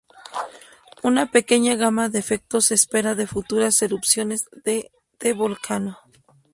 Una pequeña gama de efectos se espera de futuras erupciones de The Volcano.